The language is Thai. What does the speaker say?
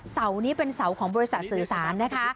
เสานี้เป็นเสาของบริษัทสื่อสารนะคะ